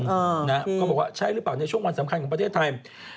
เขาบอกว่าใช่หรือเปล่าในช่วงวันสำคัญของประเทศไทย